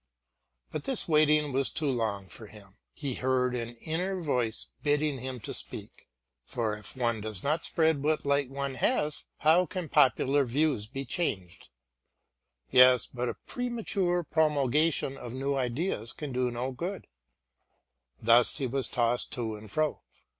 But this waiting was too long for him; he heard an inner voice bidding him speak, for if one does not spread what light one has, how can popular views be changed? Yes, but a premature promulgation of new ideas can do no good. Thus he was tossed to and fro.